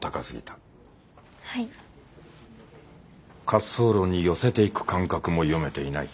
滑走路に寄せていく感覚も読めていない。